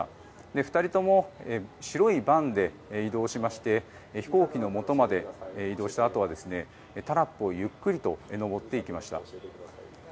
２人とも白いバンで移動しまして飛行機のもとまで移動したあとはタラップをゆっくりと上っていきました。